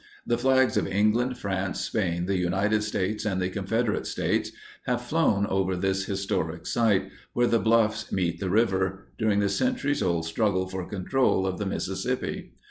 The flags of England, France, Spain, the United States, and the Confederate States have flown over this historic site, where the bluffs meet the river, during the centuries old struggle for control of the Mississippi.